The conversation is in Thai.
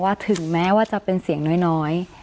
ถึงแม้ว่าจะเป็นเสียงน้อย